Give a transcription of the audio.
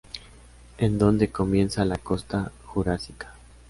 Es donde comienza la Costa Jurásica.